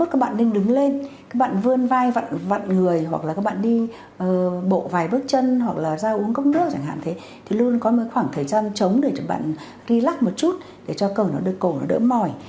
các bạn vươn vai vặn người hoặc là các bạn đi bộ vài bước chân hoặc là ra uống cốc nước chẳng hạn thế thì luôn có một khoảng thời gian trống để cho bạn relax một chút để cho cổ nó đỡ mỏi